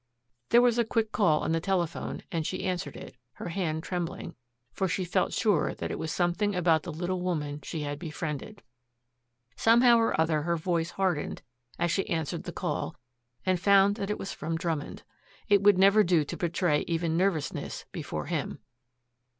There was a quick call on the telephone and she answered it, her hand trembling, for she felt sure that it was something about the little woman she had befriended. Somehow or other her voice hardened as she answered the call and found that it was from Drummond. It would never do to betray even nervousness before him.